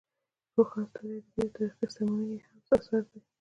روښان ستوري ادبي او تاریخي سمونې یې هم اثار دي.